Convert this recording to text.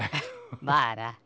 まあな。